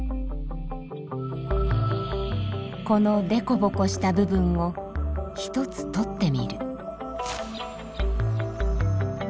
このでこぼこした部分を１つ取ってみる。